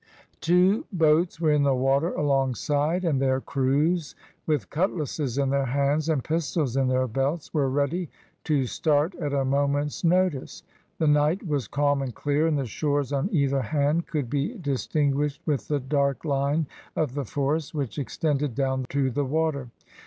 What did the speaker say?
Two boats were in the water alongside, and their crews, with cutlasses in their hands, and pistols in their belts, were ready to start at a moment's notice. The night was calm and clear, and the shores on either hand could be distinguished with the dark line of the forest, which extended down to the water.